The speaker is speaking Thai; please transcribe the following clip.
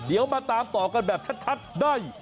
เดี๋ยวมาตามต่อกันแบบชัดได้